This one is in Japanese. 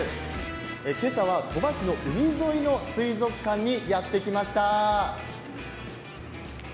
今朝は鳥羽市の海沿いの水族館にやって来ました。